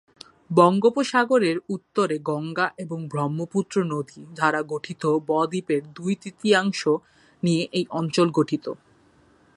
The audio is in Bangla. বঙ্গোপসাগরের উত্তরে গঙ্গা এবং ব্রহ্মপুত্র নদী দ্বারা গঠিত বদ্বীপের দুই-তৃতীয়াংশ নিয়ে এই অঞ্চল গঠিত।